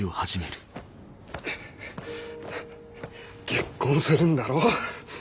結婚するんだろ？